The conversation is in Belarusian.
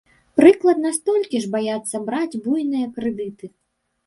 Прыкладна столькі ж баяцца браць буйныя крэдыты.